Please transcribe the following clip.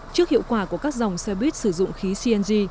trước hiệu quả của các dòng xe buýt sử dụng khí cng